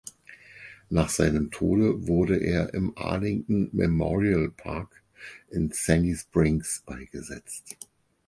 Nach seinem Tode wurde er im "Arlington Memorial Park" in Sandy Springs beigesetzt.